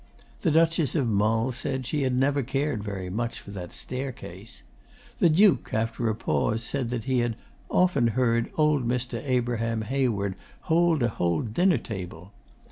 The Duchess of Mull said she had never cared very much for that staircase. The Duke, after a pause, said he had "often heard old Mr. Abraham Hayward hold a whole dinner table."